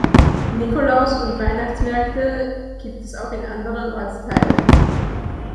Nikolaus- und Weihnachtsmärkte gibt es auch in anderen Ortsteilen.